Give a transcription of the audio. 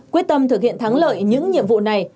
quyết tâm thực hiện thắng lợi những nhiệm vụ này